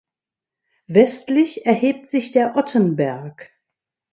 Westlich erhebt sich der Ottenberg.